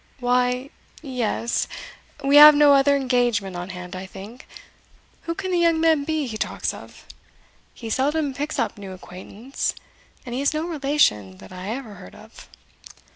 "Why, ye yes; we have no other engagement on hand, I think. Who can the young man be he talks of? he seldom picks up new acquaintance; and he has no relation that I ever heard of."